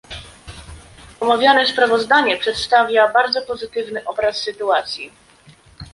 Omawiane sprawozdanie przedstawia bardzo pozytywny obraz sytuacji